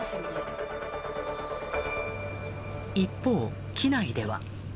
一方、機内では。